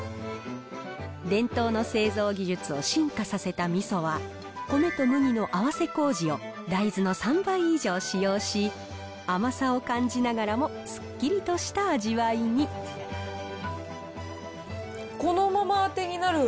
伝統の製造技術を進化させたみそは、米と麦の合わせこうじを大豆の３倍以上使用し、甘さを感じながらこのままあてになる。